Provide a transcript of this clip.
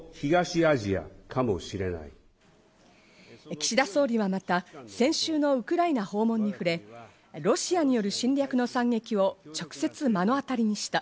岸田総理はまた、先週のウクライナ訪問に触れ、ロシアによる侵略の惨劇を直接目の当たりにした。